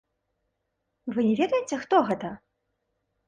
Вы не ведаеце, хто гэта?